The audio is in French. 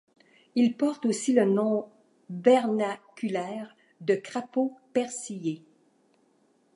Il porte aussi le nom vernaculaire de Crapaud persillé.